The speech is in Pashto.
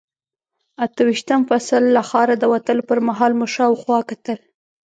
اته ویشتم فصل، له ښاره د وتلو پر مهال مو شاوخوا کتل.